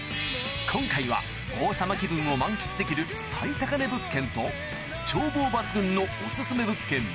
今回は王様気分を満喫できる最高値物件と眺望抜群のオススメ物件